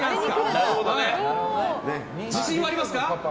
自信はありますか？